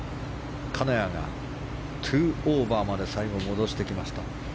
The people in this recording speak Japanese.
金谷が２オーバーまで最後戻してきました。